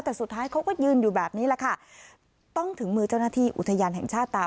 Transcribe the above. แต่สุดท้ายเขาก็ยืนอยู่แบบนี้แหละค่ะต้องถึงมือเจ้าหน้าที่อุทยานแห่งชาติตา